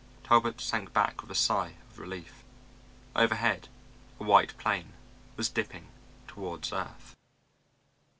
Talbot sank back with a sigh of relief. Overhead a white plane was dipping toward earth.